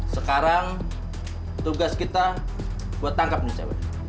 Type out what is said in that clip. sekarang tugas kita buat tangkap nih cewek